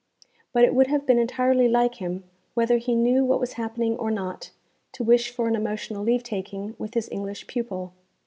But it would have been entirely like him, whether he knew what was happening or not, to wish for an emotional leave taking with his English pupil.